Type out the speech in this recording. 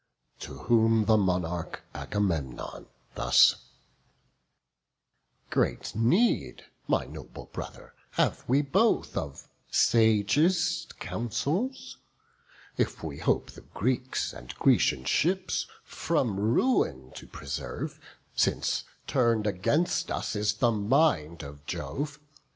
To whom the monarch Agamemnon thus: "Great need, my noble brother, have we both Of sagest counsels, if we hope the Greeks And Grecian ships from ruin to preserve, Since turn'd against us is the mind of Jove.